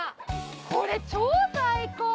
これ超最高！